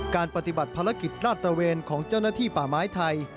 การปฏิบัติภารกิจลาดตระเวนของเจ้าหน้าที่ป่าไม้ไทย